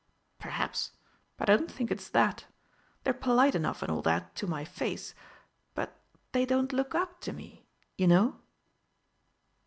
"Perhaps, but I don't think it's that. They're polite enough and all that, to my face, but they don't look up to me, you know!"